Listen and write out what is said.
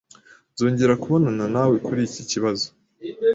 Nzongera kubonana nawe kuri iki kibazo